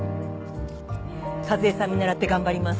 和恵さん見習って頑張ります。